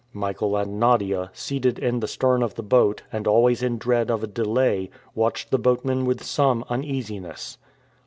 Michael and Nadia, seated in the stern of the boat, and always in dread of a delay, watched the boatmen with some uneasiness.